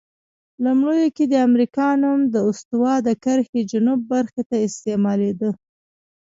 لومړیو کې د امریکا نوم د استوا د کرښې جنوب برخې ته استعمالیده.